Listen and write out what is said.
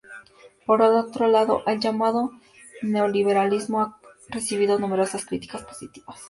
Por otro lado, el llamado "neoliberalismo" ha recibido numerosas críticas positivas.